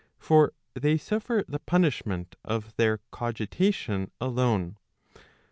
For they suffer the punishment of their cogitation alone.